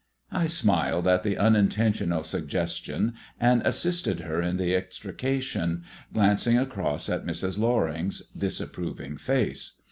I smiled at the unintentional suggestion, and assisted her in the extrication, glancing across at Mrs. Loring's disapproving face.